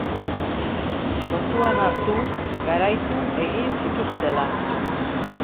Kontuan hartu garaitu egin zituztela.